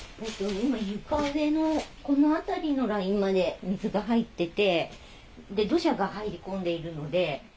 今、床上のこの辺りのラインまで水が入ってて、土砂が入り込んでいるので。